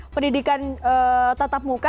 pendidikan tetap muka